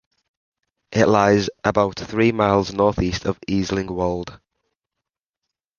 It lies about three miles north-east of Easingwold.